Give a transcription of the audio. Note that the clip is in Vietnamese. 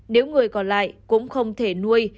nếu người còn lại cũng không thể nuôi